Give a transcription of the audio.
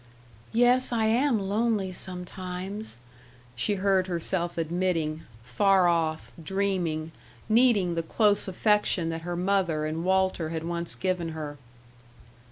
"Yes, I am lonely sometimes," she heard herself admitting far off, dreaming, needing the close affection that her mother and Walter had once given her.